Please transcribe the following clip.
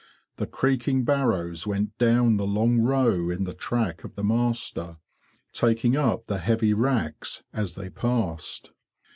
The creaking barrows went down the long row in the track of the master, taking up the heavy racks as they passed.